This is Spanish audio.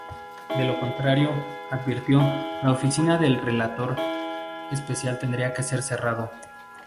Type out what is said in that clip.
De lo contrario, advirtió, la oficina del Relator Especial tendría que ser cerrado.